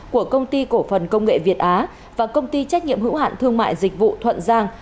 của công ty cổ phần công nghệ việt á và công ty trách nhiệm hữu hạn thương mại dịch vụ thuận giang